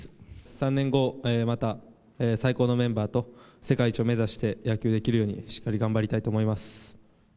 ３年後、また最高のメンバーと世界一を目指して、野球できるようにしっかり頑張りたいと思います。